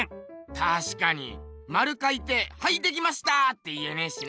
たしかにまるかいてはいできましたって言えねえしな。